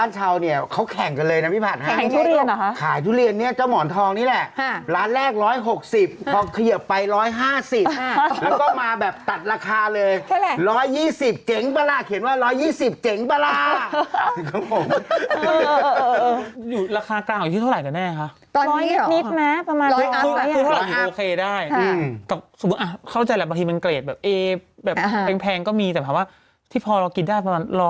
น่ารักจริงเนี่ยน้ำตาลเนี่ย